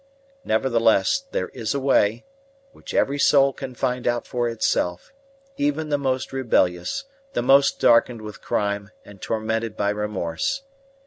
Nevertheless there is a way, which every soul can find out for itself even the most rebellious, the most darkened with crime and tormented by remorse.